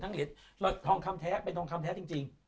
เหรียญทองคำแท้เป็นทองคำแท้จริง